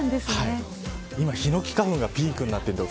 今ヒノキ花粉がピークになってて。